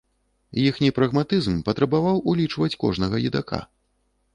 Іхні прагматызм патрабаваў улічваць кожнага едака.